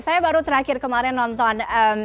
saya baru terakhir kemarin nonton